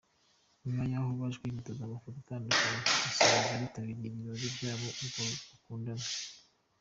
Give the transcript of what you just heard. Nyuma yaho baje kwifotoza amafoto atandukanye basangiza abitabiriye ibirori byabo urwo bakundana.